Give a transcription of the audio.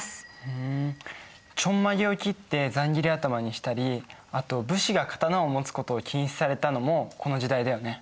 ふんちょんまげを切ってざんぎり頭にしたりあと武士が刀を持つことを禁止されたのもこの時代だよね。